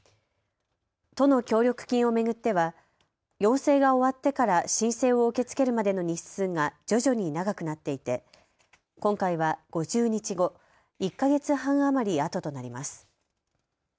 都の協力金を巡っては要請が終わってから申請を受け付けるまでの日数が徐々に長くなっていて今回は５０日後、１か月半余りあととなります。